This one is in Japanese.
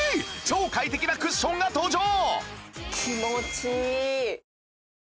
超快適なクッションが登場！